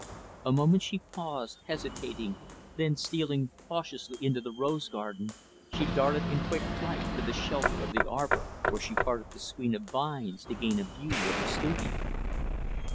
A moment she paused, hesitating, then, stealing cautiously into the rose garden, she darted in quick flight to the shelter of the arbor; where she parted the screen of vines to gain a view of the studio.